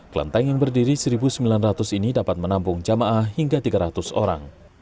kelenteng yang berdiri satu sembilan ratus ini dapat menampung jamaah hingga tiga ratus orang